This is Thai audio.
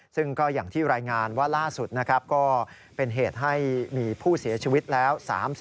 ซึ่งก็อย่างที่รายงานว่าล่าสุดนะครับก็เป็นเหตุให้มีผู้เสียชีวิตแล้ว